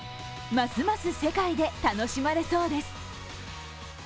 ますます世界で楽しまれそうです。